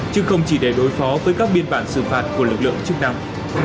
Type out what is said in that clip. chứ không chỉ để đối phó với các biên bản xử phạt của lực lượng chức năng